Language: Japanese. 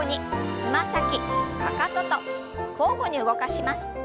つま先かかとと交互に動かします。